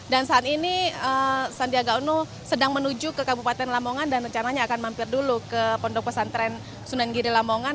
dan saat ini sandiaga uno sedang menuju ke kabupaten lamongan dan rencananya akan mampir dulu ke pondok pesantren sunan giri lamongan